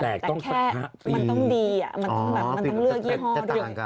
แต่แค่มันต้องดีมันต้องเลือกยี่ห้อด้วย